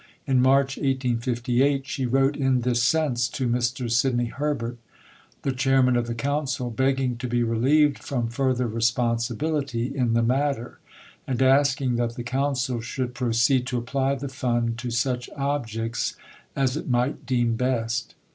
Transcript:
In March 1858 she wrote in this sense to Mr. Sidney Herbert, the Chairman of the Council, begging to be relieved from further responsibility in the matter, and asking that the Council should proceed to apply the Fund to such objects as it might deem best.